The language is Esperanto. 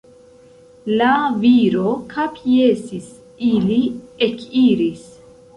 La viro kapjesis, ili ekiris.